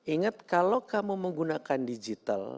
ingat kalau kamu menggunakan digital